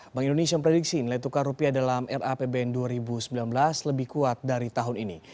bank indonesia memprediksi nilai tukar rupiah dalam rapbn dua ribu sembilan belas lebih kuat dari tahun ini